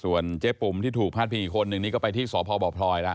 ส่วนเจ๊ปุ๋มที่ถูกพาดพิงอีกคนหนึ่งนี้ก็ไปที่สพบพลอยแล้ว